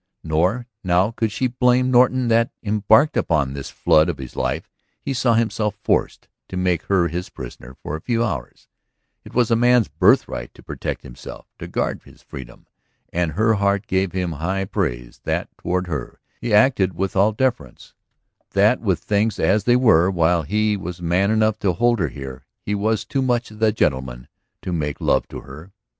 Nor now could she blame Norton that, embarked upon this flood of his life, he saw himself forced to make her his prisoner for a few hours. It was a man's birthright to protect himself, to guard his freedom. And her heart gave him high praise that toward her he acted with all deference, that with things as they were, while he was man enough to hold her here, he was too much the gentleman to make love to her.